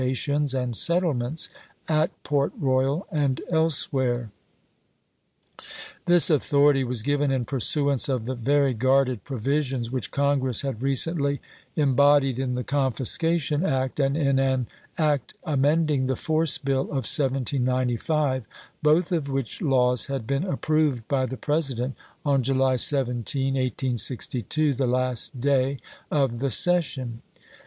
k tions and settlements at Port Royal and elsewhere, p 377. ' This authority was given in pursuance of the very guarded provisions which Congress had re cently embodied in the Confiscation Act and in an act amending the Force Bill of 1795, both of which laws had been approved by the President on July 17, 1862, the last day of the session.